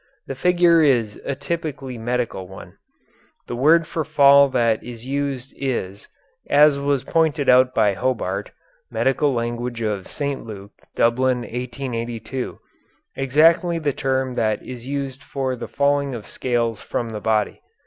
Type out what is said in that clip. The figure is a typically medical one. The word for fall that is used is, as was pointed out by Hobart ("Medical Language of St. Luke," Dublin, 1882), exactly the term that is used for the falling of scales from the body.